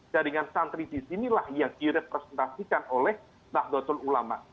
jaringan santri di sinilah yang direpresentasikan oleh makhdudul ulama